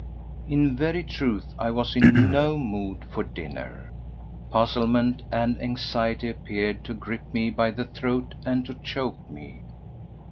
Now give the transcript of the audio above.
In very truth I was in no mood for dinner. Puzzlement and anxiety appeared to grip me by the throat and to choke me.